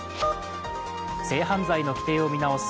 性犯罪の規定を見直す